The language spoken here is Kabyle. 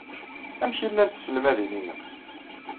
Amek ay llant tselmadin-nnem?